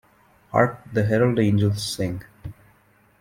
Hark the Herald Angels sing.